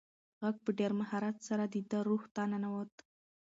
غږ په ډېر مهارت سره د ده روح ته ننووت.